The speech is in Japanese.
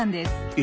え？